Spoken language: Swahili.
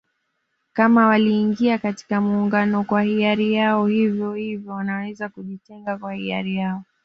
Kama waliingia katika Muungano kwa hiari yao vivyo hivyo wanaweza kujitenga kwa hiari yao